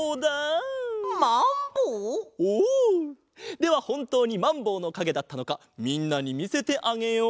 ではほんとうにまんぼうのかげだったのかみんなにみせてあげよう。